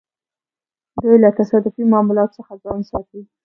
دوی له تصادفي معاملو څخه ځان ساتي.